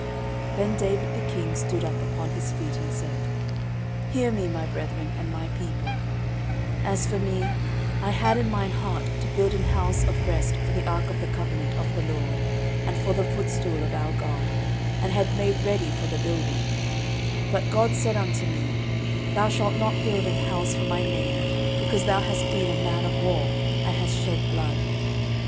13:028:002 Then David the king stood up upon his feet, and said, Hear me, my brethren, and my people: As for me, I had in mine heart to build an house of rest for the ark of the covenant of the LORD, and for the footstool of our God, and had made ready for the building: 13:028:003 But God said unto me, Thou shalt not build an house for my name, because thou hast been a man of war, and hast shed blood.